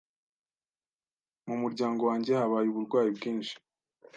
Mu muryango wanjye habaye uburwayi bwinshi.